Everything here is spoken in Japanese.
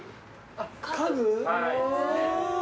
あっ家具。